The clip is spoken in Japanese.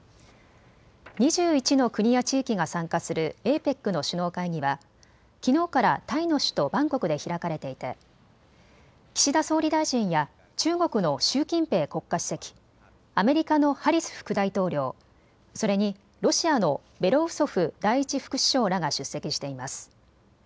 ２１の国や地域が参加するＡＰＥＣの首脳会議はきのうからタイの首都バンコクで開かれていて岸田総理大臣や中国の習近平国家主席、アメリカのハリス副大統領、それにロシアのベロウソフ第１副首相らが出席しています。